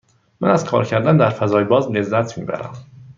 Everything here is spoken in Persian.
من از کار کردن در فضای باز لذت می برم.